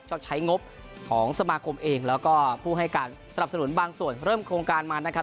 ชอบใช้งบของสมาคมเองแล้วก็ผู้ให้การสนับสนุนบางส่วนเริ่มโครงการมานะครับ